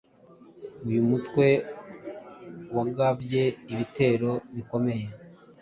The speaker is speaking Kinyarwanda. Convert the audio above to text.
uyu mutwe wagabye ibitero bikomeye